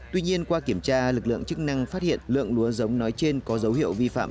tuy nhiên qua kiểm tra lực lượng chức năng phát hiện lượng lúa giống nói trên có dấu hiệu vi phạm